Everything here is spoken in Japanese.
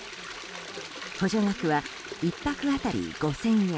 補助額は１泊当たり５０００円